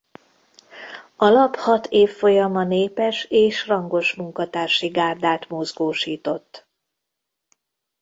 A lap hat évfolyama népes és rangos munkatársi gárdát mozgósított.